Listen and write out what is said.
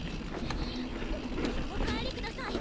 ぐっおっお帰りください。